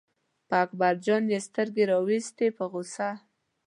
په اکبر جان یې سترګې را وویستې په غوسه.